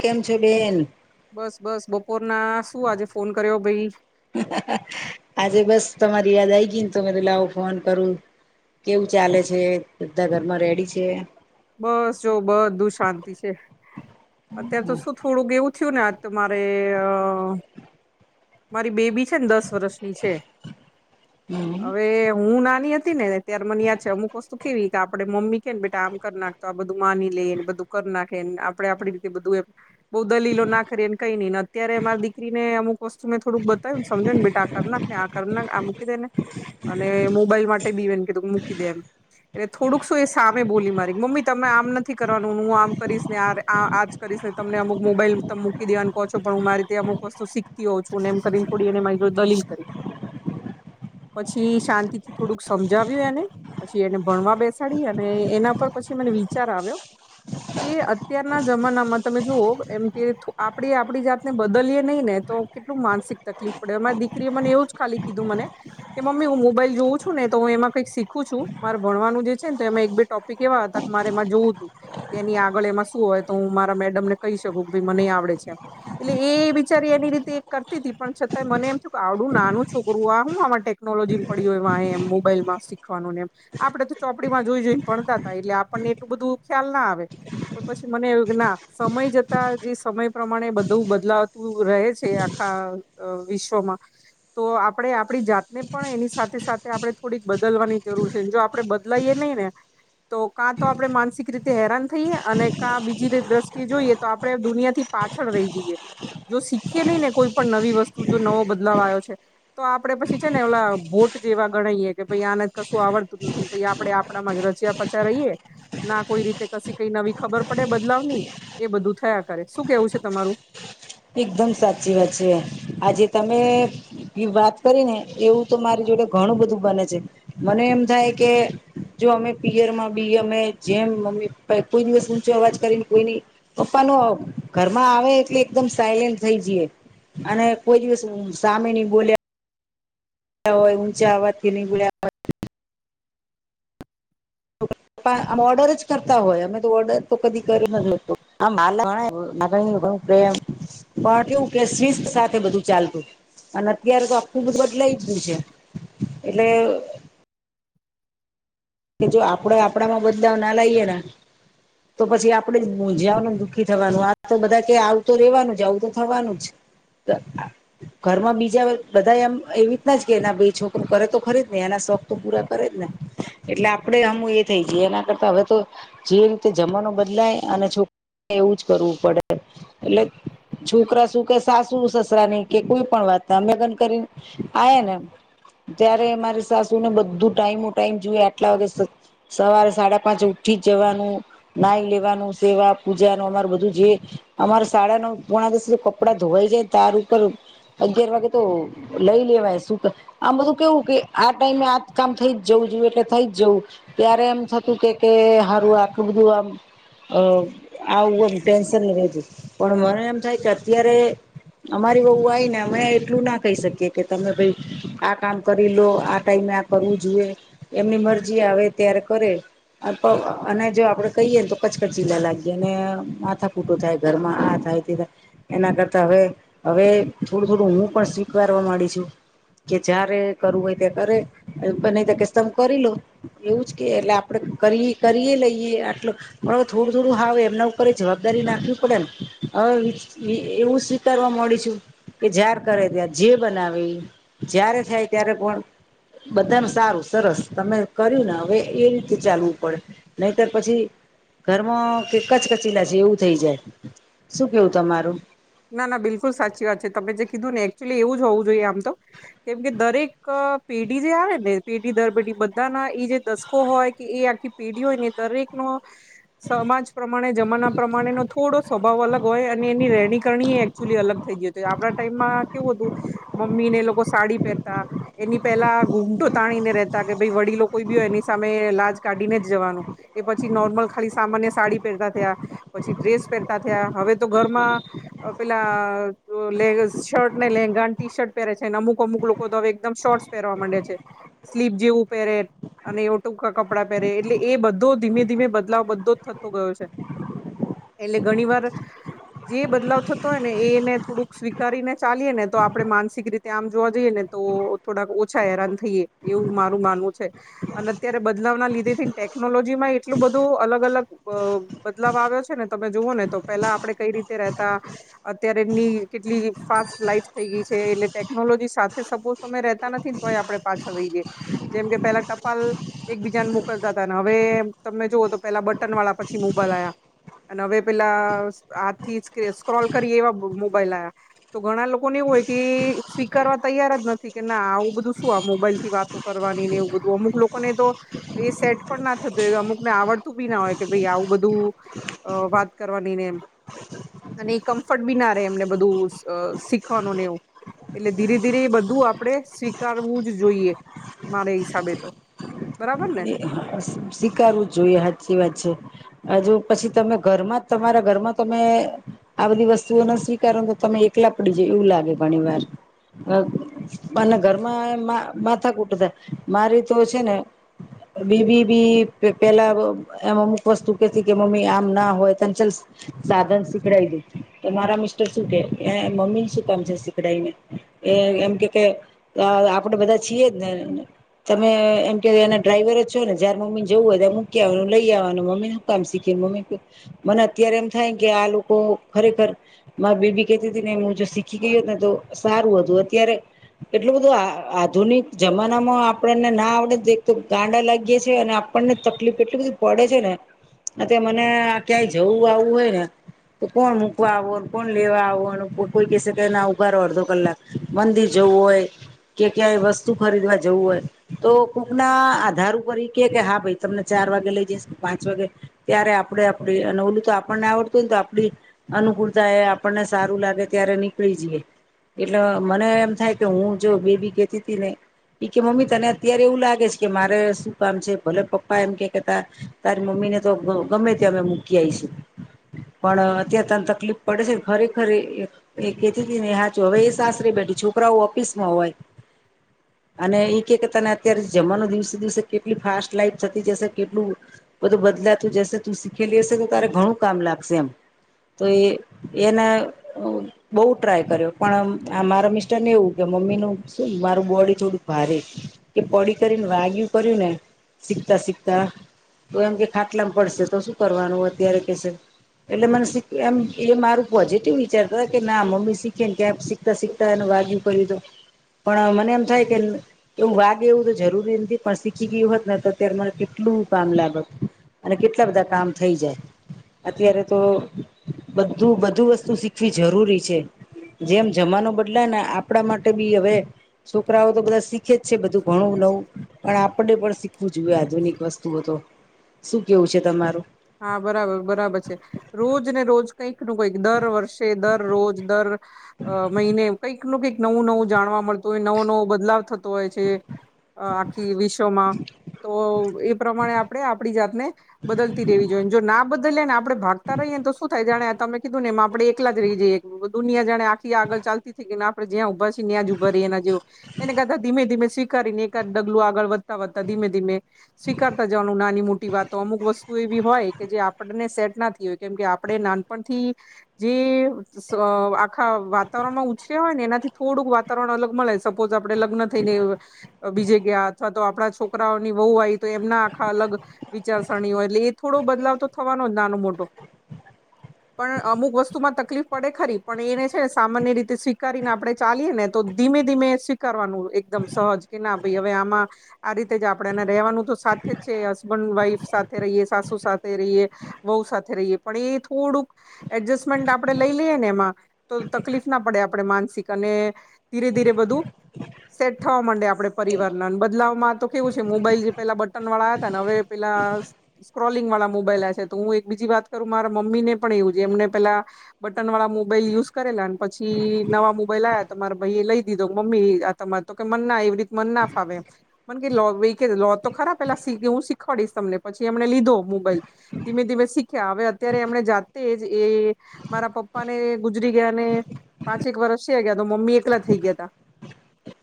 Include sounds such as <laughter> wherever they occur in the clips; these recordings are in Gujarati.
કેમ છે બેન. બસ બસ બપોરના શું આજે ફોન કરીયો ભઈ આજે બસ તમારી યાદ આયી ગઈ ને તો મે કીધું લાવો ફોન કરું. કેવું ચાલે છે બધા ઘરમાં રેડી છે. બસ જો બધું શાંતિ છે. અત્યારે તો શું થોડુંક એવું થયું ને આજ તો મારે અ મારી બેબી છે ને દસ વર્ષની છે હમ હવે હું નાની હતી ને ત્યારે મને યાદ છે અમુક વસ્તુ કેવી કે આપણે મમ્મી કે ને બેટા આમ કર નાખ તો આ બધું માની લે ને બધું કરી નાખે ને આપડે આપડી રીતે બધું એ બઉ દલીલો ના કરીએને કઈ નઈં અત્યારે માર દીકરીને અમુક વસ્તુ મે થોડુંક બતાવ્યુને સમજા ને બેટા આ કર નાખ ને આ કર નાખ આ મૂકી દેને અને મોબાઈલ માટે બી એને કેધું મૂકી દે એમ એટલે થોડુંક શું એ સામે બોલી મારી મમ્મી તમે આમ નથી કરવાનું હું આમ કરીશ ને આ આજ કરીશને તમને અમુક મોબાઈલ તમ મૂકી દેવાનું કહો છો પણ હું મારી રીતે અમુક વસ્તુ શીખતી હોઉ છું ને એમ કરીને મારી જોડે થોડી દલીલ કરી. પછી શાંતિથી થોડુંક સમજાવ્યું એને પછી એને ભણવા બેસાડી અને એના પર પછી મને વિચાર આવ્યો કે અત્યારના જમાનામાં તમે જુઓ એમ કે આપડી આપડી જાતને બદલીએ નહી ને તો કેટલું માનસિક તકલીફ પડે મારી દીકરીએ મને એવું જ ખાલી કીધું મને કે મમ્મી હું મોબાઈલ જોઉં છું ને તો હું એમાં કઈક શીખું છું મારે ભણવાનું જે છે ને તો એમાં એક બે ટોપિક કેવા હતા કે મારે એમાં જોવું તું. એની આગળ એમાં શું હોય તો હું મારા મેડમ ને કહી શકું કે ભાઈ મનેય આવડે છે એમ એટલે એ બિચારી એની રીતે એ કરતી હતી પણ છતાંય મને એમ થતુ કે આવડું નાનું છોકરું આ હુ માટે ટેકનોલોજીમ પડી હોય વાહે એમ મોબાઈલમાં શીખવાનું નેમ આપડે તો ચોપડીમાં જોઈ જોઈને ભણતા તા એટલે આપણને એટલું બધું ખ્યાલ ના આવે, પણ પછી મને એવું કે ના સમય જતા જે સમય પ્રમાણે બધું બદલાતું રહે છે આ ખા અ વિશ્વમાં તો આપડે આપડી જાતને પણ એની સાથે સાથે આપણે થોડીક બદલવાની જરૂર છે જો આપડે બદ લાયે નહી ને તો કાં તો આપણે માનસિક રીતે હેરાન થઈએ અને કાં બીજી દ્રષ્ટિએ જોઈએ તો આપણે દુનિયાથી પાછળ રહી જઈએ જો શીખીએ નહી ને કોઈ પણ નવી વસ્તુ જો નવો બદલાવ આયો છે, તો આપડે પછી છે ને ઓલા ભોટ જેવા ગણાયે કે ભાઈ આને કશું આવડતું નથી, પહિ આપડે આપણામાં જ રચ્યા પચ્યા રહીએ ના કોઈ રીતે કશી કઈ નવી ખબર પડે બદલાવ ની એ બધું થયા કરે શું કેવું છે તમારું? એકદમ સાચી વાત છે. આજે તમે એ વાત કરીને, એવું તો મારે જોડે ઘણું બધું બને છે. મને એમ થાય કે જો અમે પિયર માં બી અમે જેમ મમ્મી પપ્પા કોઈ દિવસ ઊંચો અવાજ કરીને કોઈ ની પપ્પા નો ઘરમાં આવે એટલે એકદમ સાયલેન્ટ થઈ જીએ. અને કોઈ દિવસ સામે ની બોલીયે હોય, ઊંચા અવાજથી નઇ બોલ્યા હોય. <unintelligible> પણ આમ ઓર્ડર જ કરતા હોય, અમે તો ઓર્ડર તો કદી કરી ન હતો <unintelligible> <unintelligible> પણ કેવું કે શિસ્ત સાથે બધું ચાલતું. અને અત્યારે તો આખું બધું બદલાયજ ગયું છે એટલે. કે જો આપડે આપડામાં બદલાવ ના લાઈએ ને. તો પછી આપડેજ મુંજાવાનું ને દુઃખી થવાનું, આ તો બધા કે આવું તો રેવાનુંજ આવું તો થવાનુંજ. તો આ ઘરમાં બીજા બધા એમ એવી રીતનાજ કેના છોકરી કરે તો ખરીજ ને, એના શોખ તો પૂરા કરેજ ને. એટલે આપડે હમુ એ થઈ જીએ. એના કરતા હવે તો જે રીતે જમાનો બદલાઈ અને છોક એવુંજ કરવું પડે, એટલે છોકરા શું કે સાસુ સસરાની કે કોઈ પણ વાત અમે લગન કરીને આયાને ત્યારે મારી સાસુને બધું ટાઈમ ઓ ટાઈમ જુએ. આટલા વાગે સવારે સાડા પાંચે ઉઠીજ જવાનું. નાઈ લેવાનું સેવા પૂજાનુ અમારુ બધું જે અમારે સાાડા નવ પોણા દસે કપડાં ધોવાઈ જાય. તાર ઉપર અગિયાર વાગે તો લઈ લેવાય શું આ બધું કેવું કે આ ટાઈમે આજ કામ થઈ જવું જુએ એટલે થઈજ જવું ત્યારે એમ થતું કે કે હારું આટલું બધું આમ. અ આવું આમ ટેન્શન નહી રેતું. પણ મને એમ થાય કે અત્યારે અમારી વહુ આઇને અમે એટલું ના કહી શકીયે કે તમે ભઈ આ કામ કરી લો, આ ટાઈમે આ કરવું જુએ, એમની મરજી આવે ત્યારે કરે. <unintelligible> અને જો આપડે કહીએ તો કચકચ ચીલા લાગીએ અને માથાકુટો થાય. ઘરમાં આ થાય તે થાય. એના કરતા હવે -હવે થોડું -થોડું હું પણ સ્વીકારવા માંડી છું. કે જયારે કરવું હોય ત્યા કરે. <unintelligible> નહીતો કેસે તમે કરી લો. એવુંજ કેય એટલે આપડે કરી કરીએ લઈએ આટલું. પણ હવે થોડું -થોડું હાવ એમના ઉપર એ જવાબદારી નાખવી પડેને હવે એ એવું સ્વીકારવા મોડી છું. કે જ્યાંર કરે ત્યારે જે બનાવે એ, જયારે થાય ત્યારે પણ બધાનુ સારું. સરસ તમે કર્યુંને હવે એ રીતે ચાલવું પડે, નહીતર પછી ઘરમાં કેકચ કચીલા જેવું થઈ જાય, શું કેવું તમારું? ના -ના બિલકુલ સાચી વાત છે તમે જે કીધુંને એકક્ચુલી એવુંજ હોવું જોઈએ આમ તો. કેમ કે દરેક પેઢી જે આવેને પેઢી દર પેઢીએ બધાના એ જે દસકો હોય કે એ આખી પેઢી હોયને એ દરેકનો સમાજ પ્રમાણે જમાના પ્રમાણેનો થોડો સ્વભાવ અલગ હોય અને એની રહેણી કરણી એકચુલી અલગ થઈ ગયું હતુ. આપડા ટાઈમમાં કેવું હતું મમ્મીને એલોકો સાડી પહેરતા. એની પહેલા ઘૂમટો તાણીને રહેતા કે ભાઈ વડીલો કોઈ બી હોય એની સામે લાજ કાઢીને જવાનું. એ પછી નોર્મલ ખાલી સામાન્ય સાડી પહેરતા થયા. પછી ડ્રેસ પહેરતા થયા. હવે તો ઘરમાં પેલા શર્ટ ને લેંગા ને ટી શર્ટ પહેરે છે ને અમુક -અમુક લોકો તો હવે એકદમ શોર્ટસ પહેરવા માંડે છે. સ્લીપ જેવું પહેરે અને ઓ ટૂકા કપડાં પહેરે એટલે એ બધો ધીમે -ધીમે બદલાવ બધોજ થતો ગયો છે. એટલે ઘણી વાર જે બદલાવ થતો હોય ને એને થોડુંક સ્વીકારીને ચાલીએને તો આપણે માનસિક રીતે આમ જોવા જઈએને તો થોડાક ઓછા હેરાન થઈએ એવું મારું માનવું છે. અને અત્યારે બદલાવના લીધે થી ટેકનોલોજી માં એટલું બધું અલગ અલગ બ બદલાવ આવ્યો છે ને તમે જુઓ ને તો પેલા આપડે કઈ રીતે રેતા અત્યારે એમની કેટલી ફાસ્ટ લાઈફ થઈ ગઈ છે એટલે ટેકનોલોજી સાથે સપ તમે રેતા નથી ને તોય આપડે પાછળ રહી જઈ જેમ કે પેહલા ટપાલ એકબીજાને મોકલતા હતા ને હવે તમે જુઓ તો પેલા બટન વાળા પછી મોબાઈલ આયા. અને હવે પેલા આ થી સ્ક્રોલ કરી એવા મોબાઈલ આવ્યા. તો ઘણા લોકોને એવું હોય કે સ્વીકારવા તૈયાર જ નથી કે ના આવું બધું શું આ મોબાઈલ થી વાત કરવાની ને એવું બધું અમુક લોકોને તો એ સેટ પણ ના થતો હોય અમુક ને આવડતું બી ના હોય કે ભાઈ આવું બધું અ વાત કરવાની ને એમ. અને કમ્ફર્ટ બી ના રહે બધું શ શીખવાનું ને એવું. એટલે ધીરે ધીરે એ બધું આપણેે સ્વીકારવું જ જોઈએ મારા હિસાબે તો. બરાબર ને. સ્વીકારવું જ જોઈએ સાચી વાત છે. હજુ પછી તમે ઘરમાં જ તમારા ઘરમાં તમે આ બધી વસ્તુઓ ન સ્વીકારો તો તમે એકલા પડી જાય એવું લાગે ઘણી વાર. અને ઘર પાપા ના ઘરમાં મા માથા કૂટ થાય મારી તો છે ને બી બી બી પેલા એમ અમુક વસ્તુ કેતી કે મમ્મી આમ ના હોય કંચલ સાધન શીકડાઈ દે તો મારા મિસ્ટર શું કે એને મમ્મી શું કામ ચીજ શીખડાઈવી. એ એમ કે કે તો આપડે બધા છીએ જ ને. તમે એમ કે એના ડ્રાઈવર જ છો ને જયાર મમ્મીને જવું હોય ત્યાં મૂકી આવાનું લઈ આવવાનું મમ્મીનું શું કામ શીખ્યું મમ્મી તો મને અત્યારે એમ થાય કે આ લોકો ખરેખર મારા બેબી કેતી હતી ને હું જો શીખી ગઈ હોત ને તો સારું હતું અત્યારે એટલું બધું આ આધુનિક જમાનામાં આપણને ના આવડે એક તો ગાંડા લાગી કે છે અને આપણને તકલીફ એટલી બધી પડે છે ને અ તે મને આ ક્યાંય જવું આવું હોય ને તો કોણ મૂકવા આવો કોણ લેવા આવો નો કોઈ કેશે કે ના ઊભા રો અડધો કલાક મંદિર જવું હોય કે ક્યાંય વસ્તુ ખરીદવા જવું હોય તો કૂકના આધાર ઉપ કોઈ ની કે હા ભાઈ તમને ચાર વાગે લઈ જઈશ કે પાંચ વાગે ત્યારે આપણે આપણી અને ઓલું તો આપણને આવડતું હોય ને તો આપણી અનુકૂળતા એ આપણને સારું લાગે ત્યારે નીકળી જઈએ. એટલે મને એમ થાય કે હું જો બેબી કેતી હતી ને કે મમ્મી તને અત્યારે એવું લાગે છે કે મારે શું છે ભલે પપ્પા એમ કે કેતા તારી મમ્મી ને તો ગ ગમે ત્યારે મૂકી આઈશ. પણ અત્યારે તને તકલીફ પડે છેને ખરેખર એ એ એ કેતી ને સાચો હવે એ સાસરે બેઠી છોકરાઓ ઓફિસ માં હોય. અને એઈ કે તને અત્યારે જમાનો દિવસે દિવસે કેટલી ફાસ્ટ લાઈફ થતી જશે કેટલું બધું બદલાતું જશે તું શીખેલી હશે તો તારે ઘણું કામ લાગશે એમ. તો એ એને બહુ ટ્રાય કર્યો પણ મારા મિસ્ટરને એવું કે મમ્મીનું શું મારું બોડી થોડું ભારે. કે પડી કરીને વાગ્યું કર્યું ને શીખતા શીખતા તો એમ કે ખાટલામાં પડશે તો શું કરવાનું અત્યારે કેશે એટલે મને એમ એ મારૂ પોઝિટિવ વિચાર કરે કે ના મમ્મી શીખેને કેમ શીખતા શીખતા એ વાગ્યુ કર્યું તો પણ મને એમ થાય કે એવું વાગે એવું તો જરૂરી નથી પણ શીખી ગી હોત ને તો અત્યારે મને કેટલું કામ લાગત અને કેટલા બધા કામ થઈ જાય- અત્યારે તો બધું બધું વસ્તુ શીખવી જરૂરી છે. જેમ જમાનો બદલાય ને આપણા માટે બી હવે છોકરાઓ તો બધા શીખે જ છે બધું ઘણું નવું પણ આપને પણ શીખવું જોયે આધુનિક વસ્તુઓ તો શું કેવું છે તમારું? હા બરાબર બરાબર છે. રોજ ને રોજ કંઈક નુ કંઈક દર વર્ષે દર રોજ દર અ મહિને કંઈક નું કઈક નવું નવું જાણવા મળતું હોય નવો નવો બદલાવ થતો હોય છે. આખી વિશ્વમાં તો એ પ્રમાણે આપડે આપડી જાતને બદલ તી રેવી જોઈ જો ના બદલીયે ને આપણે ભાગતા રહીએ તો શું થાય જાણે તમે કીધું ને એ આપણે એક એકલા જ રહી જઈએ દુનિયા જાણે આખી આગળ ચાલતી થઈ ગઈ ને આપણે જ્યાં ઉભા છી કે ન્યા જ ઉભા રઇ એના જેવુ એના કરતાં ધીમે ધીમે સ્વીકારીને એક એકાદ ડગલું આગળ વધતા વધતા ધીમે ધીમે સ્વીકારતા જવાનું નાની મોટી વાતો અમુક વસ્તુ એવી હોય કે જે આપણને સેટ ના થઈ હોય કેમકે આપણે નાનપણથી જે આખા વાતાવરણમાં ઉછર્યા હોય ને એનાથી થોડુંક વાતાવરણ અલગ મળે જ સપોઝ આપડે લગ્ન થઈને બીજે ગયા અથવા તો આપણા છોકરાઓની વહુ આઇ તો એમના આખા અલગ વિચારસરણી હોય એટલે એ થોડો બદલાવ તો થવાનો જ નાનો મોટો પણ અમુક વસ્તુમાં તકલીફ પડે ખરી પણ એને છેને સામાન્ય રીતે સ્વીકારીને આપણેે ચાલીયે ને તો ધીમે ધીમે સ્વીકારવાનું એકદમ સહજ કે ના ભય હવે આમાં આ રીતે જ આપણેે એને રેવાનું તો સાથે જ છે હસબન્ડ વાઈફ‌ સાથ ે રહીએ સાસુ સાથે રહીએ વહુ સાથે રહીએ પણ એ થોડુંક એડજસ્ટમેન્ટ આપણે લઈ લઈએ ને એમાં તો તકલીફ ના પડે આપણે માનસિક અને ધીરે ધીરે બધું સેટ થવા માંડે આપડે પરિવારના બદલાવમાં તો કેવું છે મોબાઈલ જે પેલા બટન વાળા હતા ને હવે પેલા સ્ક્રોલિંગ વાળા મોબાઈલ આયા છે તો હું એક બીજી વાત કરું મારા મમ્મી ને પણ એવું જ એમને પેલા બટન વાળા મોબાઈલ યુઝ કરેલાન પછી નવા મોબાઈલ આયા તો મારે ભઈ એ લઈ દીધો મમ્મી આ તમારે તો કે મન ના એવી રીતે મન ના ફાવે એમ. કે લો લો તો ખરા પેલા શીવહું શીખવાડીશ તમને પછી એમણે લીધો મોબાઈલ ધીમે ધીમે શીખ્યા હવે અત્યારે એમણે જાતે જ એ મારા પપ્પા ને ગુજરી ગયા ને પાંચેક વરસ થઈ ગયા તો મમ્મી એકલા થઈ ગયા તા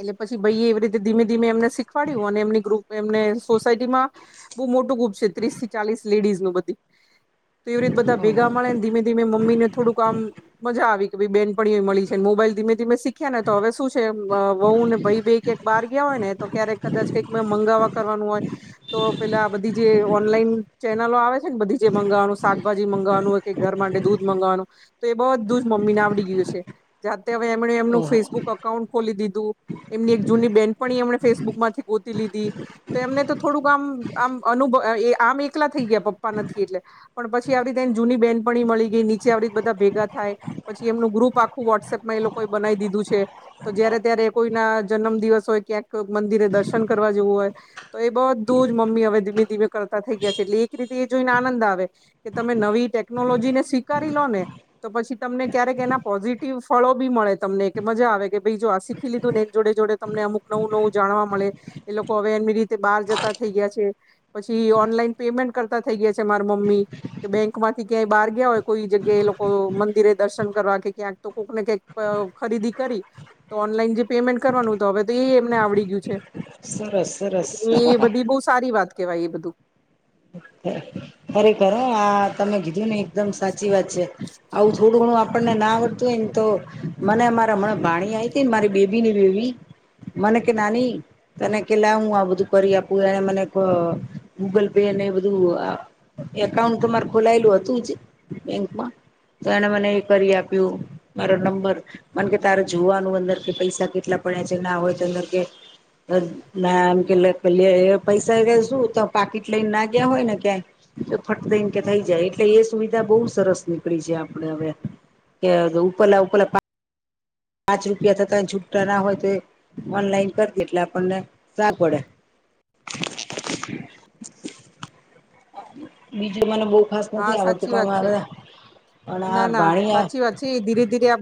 એટલે પછી ભઈયે એવી રીતે ધીમે ધીમે એમને શીખવાડ્યું અને એમની ગ્રુપ એમને સોસાયટીમાં બહુ મોટું ગૂપ છે ત્રીસ થી ચાલીસ લેડીઝ નું બધી તો એવી રીતે બધા ભેગા ઓહ મળેને ધીમે ધીમેં મમ્મીને થોડુંક આમ મજા આવી કે ભઈ બેનપણીઓય મળી છેને મોબાઈલ ધીમે ધીમે શીખ્યા ને તો હવે શું છે વહુ ને ભાઈ બેય ક્યાંક બહાર ગયા હોય ને તો ક્યારેક કદાચ કઈક મે મંગાવવા કરવાનું હોય તો પેલા આ બધી જે ઓનલાઈન ચેનલો આવે છે ને બધી જે મંગાવવાનું શાકભાજી મંગાવવાનું હોય કે ઘર માટે દૂધ મંગાવવાનું તો એ બધું જ મમ્મીને આવડી ગયું છે જાતે હવે એમણે એમનું ઓહ ફેસબુક અકા ઉન્ટ ખોલી દીધું એમની એક જૂની બેન પણી એમને ફેસબુક માંથી ગોતી લીધી તો એમને તો થોડુંક આમ આમ અનુભ એ આમ એકલા થઈ ગયા પપ્પા નથી એટલે પણ પછી આવી રીતે એની જૂની બેનપણી મળી ગઈ નીચે આવી રીતે બધા ભેગા થાય, પછી એમનું ગ્રુપ આખું વોટ્સએપમાં એ લોકોએ બનાવી દીધું છે. તો જયારે ત્યારે કોઈના જન્મદિવસ હોય ક્યાંક કોઈ મંદીરે દર્શન કરવા જવું હોય તો એ બધુંજ મમ્મી હવેે ધીમે -ધીમે કરતા થઈ ગયા છે. એટલે એક રીતે એ જોઈને આનંદ આવે કે તમે નવી ટેકનોલોજી ને શીખ કરી લો ને તો પછી તમને ક્યારેક એના પોઝિટિવ ફળો બી મળે તમને કે મજા આવે કે ભાઈ જો આ શીખી લીધુંને એક જોડે -જોડે તમને અમુક નવું -નવું જાણવા મળે એલોકો હવે એની રીતે બહાર જતા થઈ ગયા છે. પછી ઓનલાઈન પેમેન્ટ કરતા થઈ ગયા છે મારા મમ્મી કે બેંક માંથી ક્યાંય બહાર ગયા હોય કોઈ જગ્યાએ એલોકો મંદિરે દર્શન કરવા કે ક્યાં તો કોઈકને કઈક ખરીદી કરી તો ઓનલાઈન જે પેમેન્ટ કરવાનું હતું હવે તો એ એમને આવડી ગયું છે. સરસ <inaudible> સરસ એટલે બધી બહુ સારી વાત કેવાય એ બધું. <inaudible> ખરેખર આ તમે કીધું ને એકદમ સાચી વાત છે આવું થોડું ઘણું આપણને ના આવડતું હોય ને તો મને મારા મને ભાણી આવી હતી ને મારી બેબી ની બેબી મને કે નાની તને કે લા હું આ બધું કરી આપું એને મને ક ગૂગલ પે ને એ બધ બધું આ એકાઉન્ટ તો મારે ખોલાયેલું હતુંજ બેંકમાં તો એને મને એ કરી આપ્યું મારો નંબર મને કે તારે જોવાનું અંદર કે પૈસા કેટલા પડ્યા છે ના હોય તો અંદર કે ના એમકે લે પેલા એ પૈસા લેશું તો પાકીટ લઈને નાખ ગયા હોયને ક્યાંય તો ફટ દઈને કે થઈ જાય એટલે એ સુવિધા બહુ સરસ નીકળી છે આપણે હવે કે ઉપરલા ઉપરલા પા પાંચ રૂપિયા થતાં છૂટા ના હોય તો એ ઓનલાઈન કરદે એટલે આપણને સા પડે બીજું મને બહુ ખાસ હા નથી આવડતું સાચી પણ વાત છે મારે પણ ના આ ના ભાણિયા સાચી વાત છે ધીરે ધીરે આપ